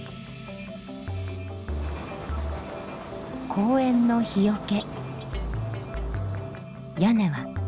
公園の日よけ。